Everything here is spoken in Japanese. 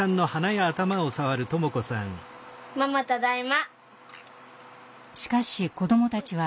ママただいま。